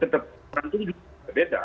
kemudian tetap berantung juga beda